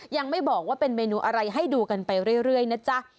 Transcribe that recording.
ยังไม่บอกว่าเป็นเมนูอะไรให้ดูกันไปเรื่อยนะจ๊ะ